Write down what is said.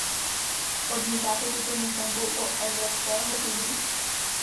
Odmítáte tuto myšlenku u evropského uhlí?